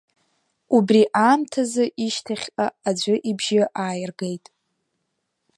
Убри аамҭазы ишьҭахьҟа аӡәы ибжьы ааиргеит…